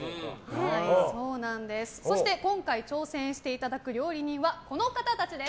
そして、今回挑戦していただく料理人はこの方たちです。